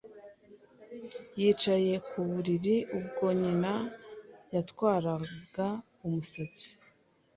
Yicaye ku buriri ubwo nyina yatwaraga umusatsi.